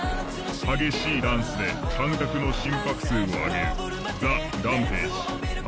激しいダンスで観客の心拍数を上げるＴＨＥＲＡＭＰＡＧＥ長谷川慎。